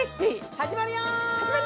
始まるよ！